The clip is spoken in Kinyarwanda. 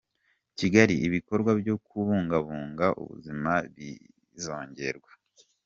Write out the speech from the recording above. Kigali Ibikorwa byo kubungabunga ubuzima bizongerwa